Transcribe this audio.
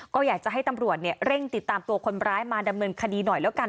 ก็อยากจะให้ตำรวจเร่งติดตามตัวคนร้ายมาดำเนินคดีหน่อยแล้วกัน